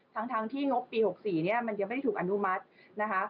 ทั้งที่งบปี๖๔เนี่ยมันยังไม่ได้ถูกอนุมัตินะคะ